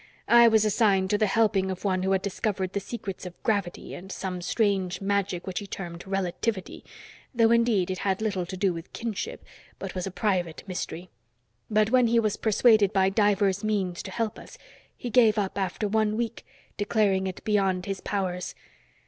I was assigned to the helping of one who had discovered the secrets of gravity and some strange magic which he termed relativity though indeed it had little to do with kinship, but was a private mystery. But when he was persuaded by divers means to help us, he gave up after one week, declaring it beyond his powers.